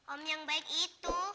om yang baik itu